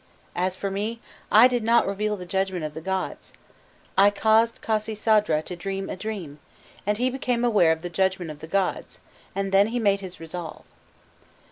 As for me, I did, not reveal the judgment of the gods: I caused Khasisadra to dream a dream, and he became aware of the judgment of the gods, and then he made his resolve.